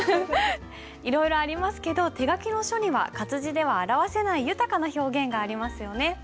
いろいろありますけど手書きの書には活字では表せない豊かな表現がありますよね。